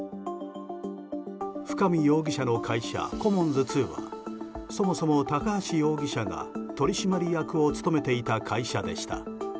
深見容疑者の会社コモンズ２はそもそも高橋容疑者が取締役を務めていた会社でした。